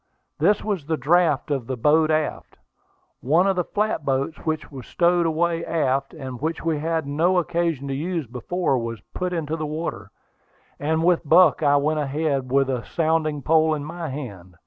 This was the draft of the boat aft. One of the flat boats which were stowed away aft, and which we had had no occasion to use before, was put into the water, and with Buck I went ahead, with a sounding pole in my hand.